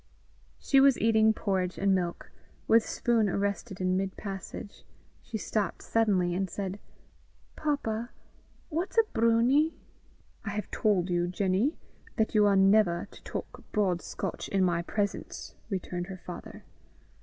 She was eating porridge and milk: with spoon arrested in mid passage, she stopped suddenly, and said: "Papa, what's a broonie?" "I have told you, Jenny, that you are never to talk broad Scotch in my presence," returned her father.